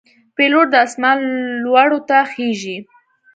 پیلوټ د آسمان لوړو ته خېژي.